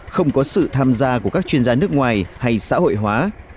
không có sự tham gia của các chuyên gia nước ngoài hay xã hội hóa